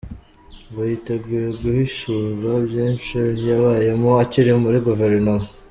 Ngo yiteguye guhishura byinshi yabayemo akiri muri guverinoma.